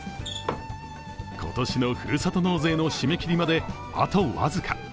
今年のふるさと納税の締め切りまであと僅か。